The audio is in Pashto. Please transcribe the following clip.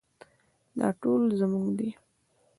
دا ټول زموږ دي